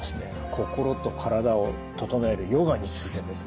心と体を整えるヨガについてです。